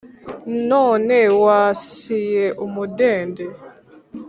none wasiye umudende,